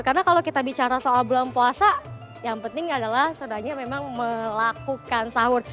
karena kalau kita bicara soal bulan puasa yang penting adalah saudaranya memang melakukan sahur